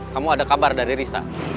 kamu ada kabar dari risa